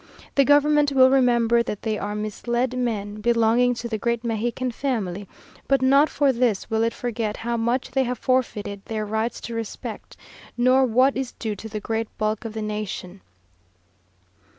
The government will remember that they are misled men, belonging to the great Mexican family, but not for this will it forget how much they have forfeited their rights to respect; nor what is due to the great bulk of the nation.